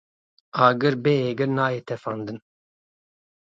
Agir bi êgir nayê tefandin.